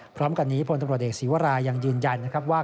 พร้อมกันนี้พตเศีวารายังยืนยันว่า